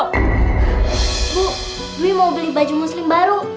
ibu dwi mau beli baju muslim baru